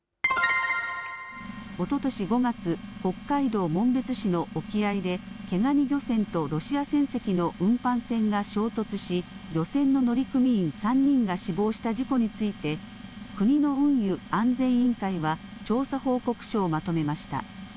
おととし５月北海道紋別市の沖合で毛がに漁船とロシア船籍の運搬船が衝突し漁船の乗組員３人が死亡した事故について国の運輸安全委員会は調査報告書をまとめました。